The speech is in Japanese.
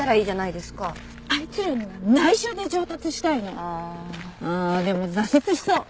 ああでも挫折しそう。